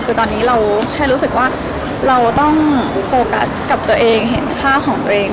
คือตอนนี้เราแค่รู้สึกว่าเราต้องโฟกัสกับตัวเองเห็นค่าของตัวเอง